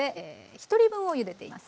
１人分をゆでていきます。